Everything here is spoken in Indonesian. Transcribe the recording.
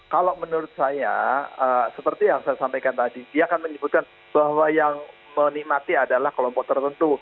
kalau menurut saya seperti yang saya sampaikan tadi dia akan menyebutkan bahwa yang menikmati adalah kelompok tertentu